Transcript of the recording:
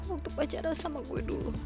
waktu pacaran sama gue dulu